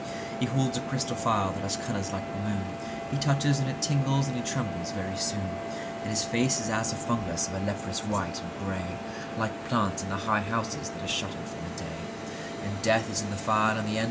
He holds a crystal phial that has colours like the moon, He touches, and it tingles, and he trembles very soon, And his face is as a fungus of a leprous white and greyLike plants in the high houses that are shuttered from the day, 100But Don John of Austria has fired upon the Turk.